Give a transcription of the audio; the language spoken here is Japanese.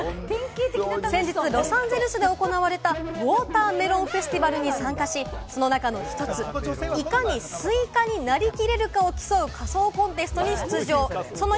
先日、ロサンゼルスで行われたウォーターメロンフェスティバルに参加し、その中の一つ、いかにスイカになりきれるかを競う仮装コンテストに出場。